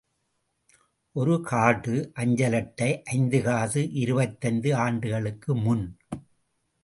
ஒரு கார்டு அஞ்சலட்டை ஐந்து காசு இருபத்தைந்து ஆண்டுகளுக்கு முன்!